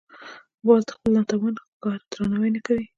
باز د خپل ناتوان ښکار درناوی نه کوي